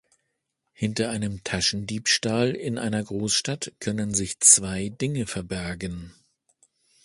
Hinter einem Taschendiebstahl in einer Großstadt können sich zwei Dinge verbergen.